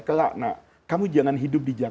kelak nak kamu jangan hidup di jakarta